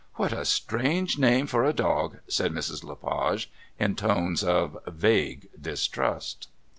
"What a strange name for a dog!" said Mrs. Le Page in tones of vague distrust.